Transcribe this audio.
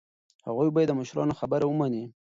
هغوی باید د مشرانو خبره ومني.